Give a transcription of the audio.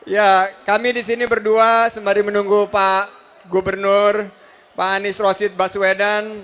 ya kami disini berdua sembari menunggu pak gubernur pak anies rosit baswedan